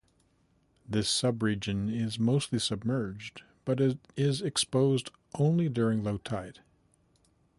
This sub region is mostly submerged, but it is exposed only during low tide.